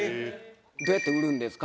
「どうやって売るんですか？